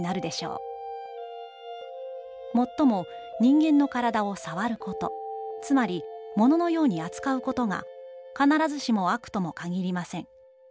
「もっとも、人間の体を『さわる』こと、つまり物のように扱うことが必ずしも『悪』とも限りません」。